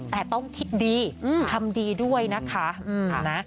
แต่ต้องคิดดีทำดีด้วยนะคะ